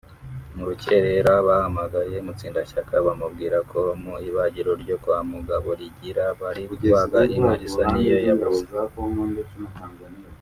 mu rukerera bahamagaye Mutsindashyaka bamubwira ko mu ibagiro ryo kwa Mugaborigira bari kubaga inka isa niyo yabuze